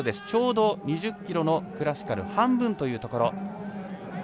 ちょうど２０ｋｍのクラシカル半分というところ。